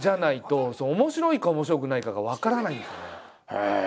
へえ！